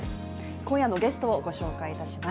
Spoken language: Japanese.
今夜のゲストをご紹介いたします。